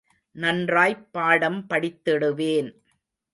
நன்றாய்ப் பாடம் படித்திடுவேன்.